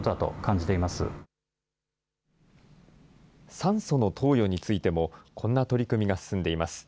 酸素の投与についても、こんな取り組みが進んでいます。